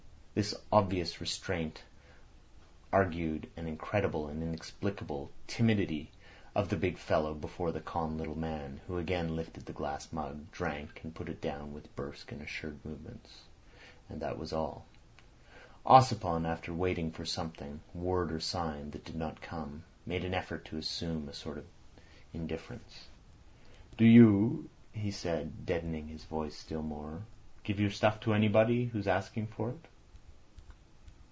This obvious restraint argued an incredible and inexplicable timidity of the big fellow before the calm little man, who again lifted the glass mug, drank, and put it down with brusque and assured movements. And that was all. Ossipon after waiting for something, word or sign, that did not come, made an effort to assume a sort of indifference. "Do you," he said, deadening his voice still more, "give your stuff to anybody who's up to asking you for it?"